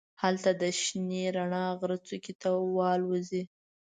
هلته د شنې رڼا غره څوکې ته والوزي.